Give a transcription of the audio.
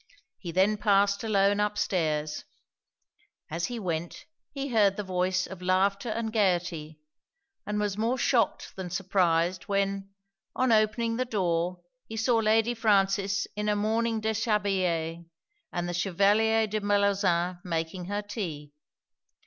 He then passed alone up stairs As he went, he heard the voice of laughter and gaiety, and was more shocked than surprised, when, on opening the door, he saw Lady Frances in a morning dishabille, and the Chevalier de Bellozane making her tea.